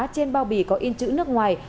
trên bao bì có in chữ nước ngoài